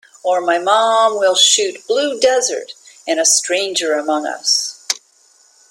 Or My Mom Will Shoot", "Blue Desert" and "A Stranger Among Us".